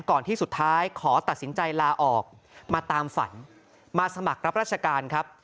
ที่สุดท้ายขอตัดสินใจลาออกมาตามฝันมาสมัครรับราชการครับ